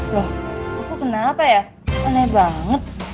loh aku kenapa ya aneh banget